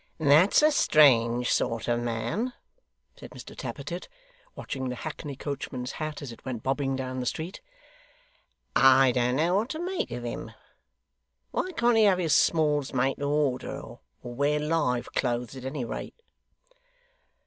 'That's a strange sort of man,' said Mr Tappertit, watching the hackney coachman's hat as it went bobbing down the street. 'I don't know what to make of him. Why can't he have his smalls made to order, or wear live clothes at any rate?